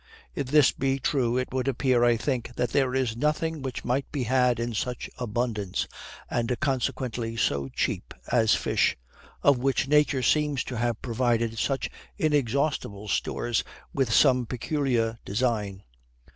If this be true it would appear, I think, that there is nothing which might be had in such abundance, and consequently so cheap, as fish, of which Nature seems to have provided such inexhaustible stores with some peculiar design.